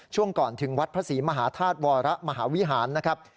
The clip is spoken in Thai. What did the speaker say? ช่วงก่อนถึงวัดพระศรีมหาธาตุวรมหาวิหารนะครับ